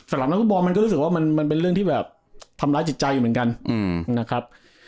สำหรับนักฟุตบอลมันก็รู้สึกว่ามันเป็นเรื่องที่แบบทำร้ายจิตใจอยู่เหมือนกันนะครับ